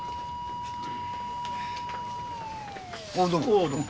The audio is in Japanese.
おうどうも。